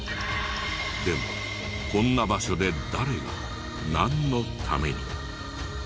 でもこんな場所で誰がなんのために？